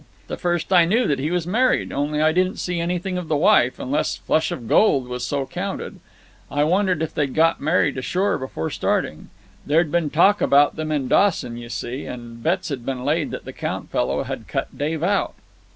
The first I knew that he was married, only I didn't see anything of the wife ... unless Flush of Gold was so counted. I wondered if they'd got married ashore before starting. There'd been talk about them in Dawson, you see, and bets had been laid that the Count fellow had cut Dave out.